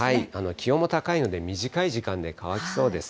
気温も高いので、短い時間で乾きそうです。